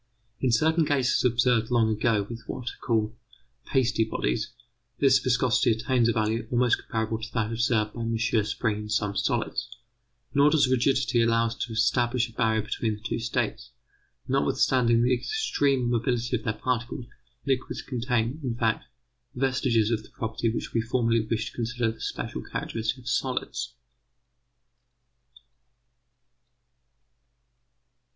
In certain cases observed long ago with what are called pasty bodies, this viscosity attains a value almost comparable to that observed by M. Spring in some solids. Nor does rigidity allow us to establish a barrier between the two states. Notwithstanding the extreme mobility of their particles, liquids contain, in fact, vestiges of the property which we formerly wished to consider the special characteristic of solids.